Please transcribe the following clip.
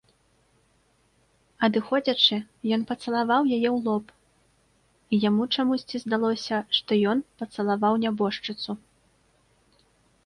Адыходзячы, ён пацалаваў яе ў лоб, і яму чамусьці здалося, што ён пацалаваў нябожчыцу.